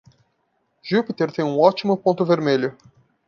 Jupiter tem um ótimo ponto vermelho.